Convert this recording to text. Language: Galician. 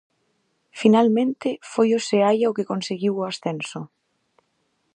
Finalmente foi o Seaia o que conseguiu o ascenso.